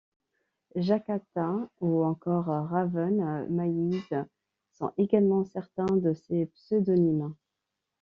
Jakatta ou encore Raven Maize sont également certains de ses pseudonymes.